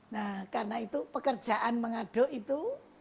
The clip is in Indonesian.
nah karena itu pekerjaan mengaduk itu